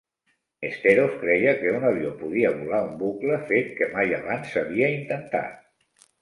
Nesterov creia que un avió podia volar un bucle, fet que mai abans s'havia intentat.